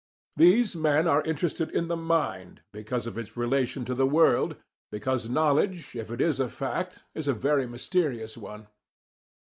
These men are interested in the mind because of its relation to the world, because knowledge, if it is a fact, is a very mysterious one.